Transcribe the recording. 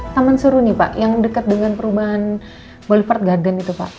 taman seruni pak yang dekat dengan perubahan bollywood garden